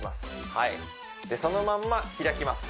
はいでそのまんま開きます